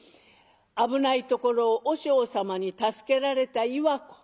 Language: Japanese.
危ないところを和尚様に助けられた岩子。